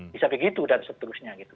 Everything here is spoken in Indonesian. bisa begitu dan seterusnya gitu